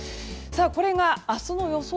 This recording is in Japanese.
これが明日の予想